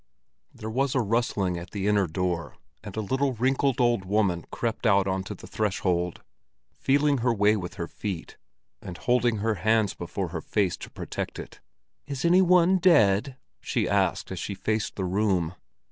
There was a rustling at the inner door, and a little, wrinkled old woman crept out onto the threshold, feeling her way with her feet, and holding her hands before her face to protect it. "Is any one dead?" she asked as she faced the room.